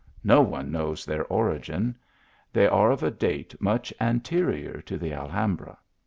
No one knows their origin. They are of a date much an terior to the Alhambra.